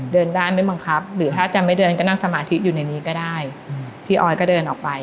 เดินได้ไม่บังคับหรือถ้าจะไม่เดินก็นั่งสมาธิอยู่ในนี้ก็ได้พี่ออยก็เดินออกไป